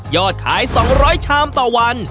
ยอดคล้าย๒๐๐ชามต่อวัน